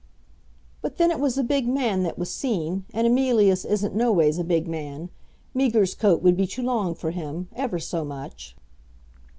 "But then it was a big man that was seen, and Emilius isn't no ways a big man. Meager's coat would be too long for him, ever so much."